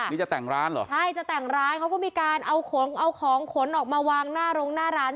นี่จะแต่งร้านเหรอใช่จะแต่งร้านเขาก็มีการเอาของเอาของขนออกมาวางหน้าโรงหน้าร้าน